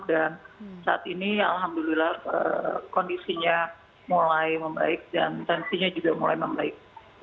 dan saat ini alhamdulillah kondisinya mulai membaik dan intensinya juga mulai membaik